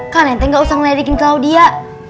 kak nete gak usah ngelerikin claudia